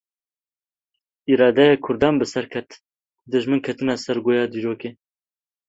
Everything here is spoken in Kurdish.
Îradeya Kurdan bi ser ket, dijmin ketine sergoya dîrokê.